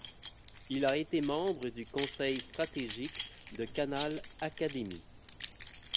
Il a été membre du conseil stratégique de Canal Académie.